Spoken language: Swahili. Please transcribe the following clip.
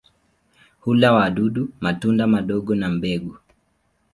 Hula wadudu, matunda madogo na mbegu.